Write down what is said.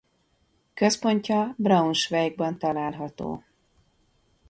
Központja Braunschweigban található.